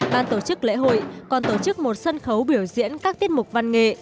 ban tổ chức lễ hội còn tổ chức một sân khấu biểu diễn các tiết mục văn nghệ